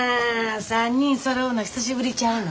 ３人そろうの久しぶりちゃうの？